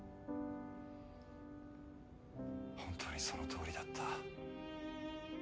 ホントにそのとおりだった。